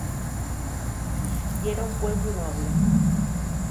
Yera un pueblu noble.